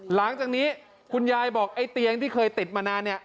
หลังจากนี้คุณยายบอกไอ้เตียงที่เคยติดมานานเนี่ย